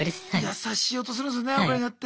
優しい音するんすよねオカリナって。